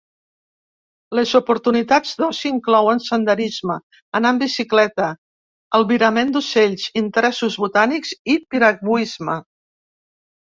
Les oportunitats d'oci inclouen senderisme, anar en bicicleta, albirament d'ocells, interessos botànics i piragüisme.